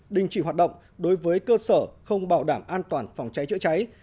đình chỉ hoạt động đối với cơ sở không bảo đảm an toàn phòng cháy chữa cháy